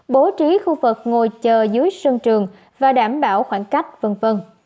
bố trí khu vực ngồi chờ dưới sân trường và đảm bảo khoảng cách v v